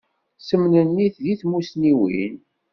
Semnennit di tmusniwin.